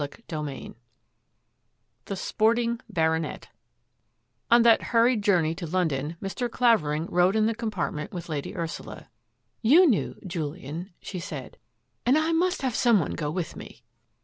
CHAPTER XXIV " THE SPORTING BARONET " On that hurried journey to London, Mr. Claver ing rode in the compartment with Lady Ursula. "You knew — Julian,'* she said, "and I must have some one go with me."